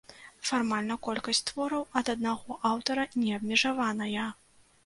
Фармальна колькасць твораў ад аднаго аўтара не абмежаваная.